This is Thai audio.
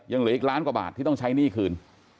ยังเหลืออีกล้านกว่าบาทที่ต้องใช้หนี้คืน